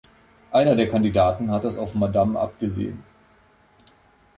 Einer der Kandidaten hat es auf Madame abgesehen.